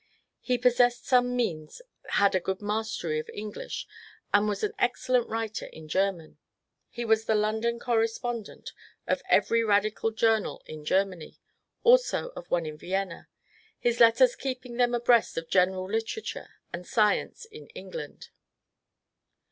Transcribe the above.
He possessed some means, had a good mastery of English, and was an ex cellent writer in German. He was the London correspondent of every radical journal in Germany, also of one in Vienna, his letters keeping them abreast of general literature and science in England.